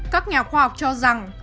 các nhà khoa học cho rằng